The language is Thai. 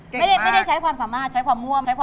ไม่ได้ใช้ความสามารถใช้ความง่วมใช้ความ